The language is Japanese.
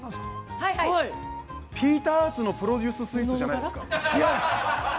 ピーター・アーツのプロデュースのスイーツじゃないですか。